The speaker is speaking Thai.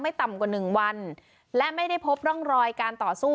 ต่ำกว่าหนึ่งวันและไม่ได้พบร่องรอยการต่อสู้